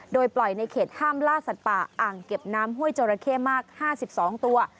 โดยปล่อยในเขตห้ามล่าสัตว์ป่าอ่างเก็บน้ำห้วยจราเข้มาก๕๒ตัว